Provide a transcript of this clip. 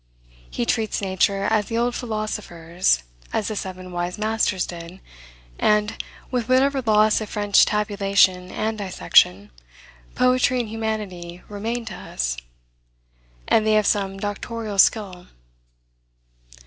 He treats nature as the old philosophers, as the seven wise masters did, and, with whatever loss of French tabulation and dissection, poetry and humanity remain to us; and they have some doctorial skill.